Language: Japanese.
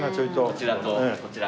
こちらとこちら。